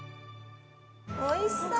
おいしそう！